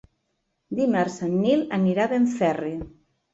Dimarts en Nil anirà a Benferri.